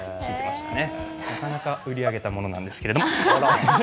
なかなか売り上げたものなんですけれども。